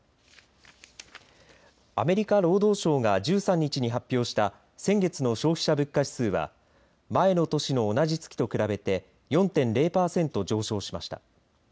アメリカ労働省が１３日に発表した先月の消費者物価指数は前の年の同じ月と比べて４．０パーセント上昇しました。